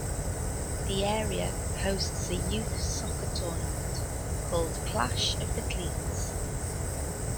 The area hosts a youth soccer tournament called Clash of the Cleats.